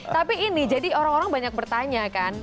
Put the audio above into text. tapi ini jadi orang orang banyak bertanya kan